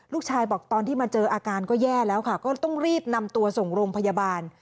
ลูกชายบอกตอนที่มาเจออาการก็แย่แล้วค่ะก็ต้องรีบนำตัวส่งโรงพยาบาล